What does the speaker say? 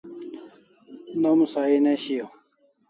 Nom sahi ne shiau